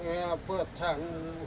iya buat sangu